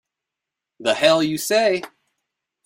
The hell you say!